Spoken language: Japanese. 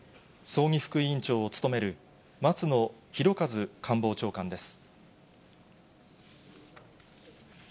葬儀副委員長を務める松野博一官房長官です。